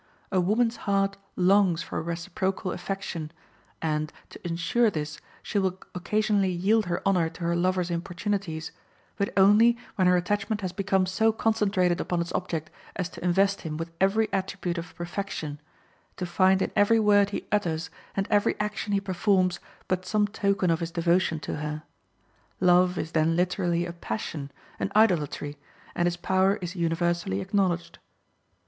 A woman's heart longs for a reciprocal affection, and, to insure this, she will occasionally yield her honor to her lover's importunities, but only when her attachment has become so concentrated upon its object as to invest him with every attribute of perfection, to find in every word he utters and every action he performs but some token of his devotion to her. Love is then literally a passion, an idolatry, and its power is universally acknowledged.